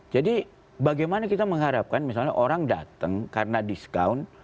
jadi bagaimana kita mengharapkan misalnya orang datang karena discount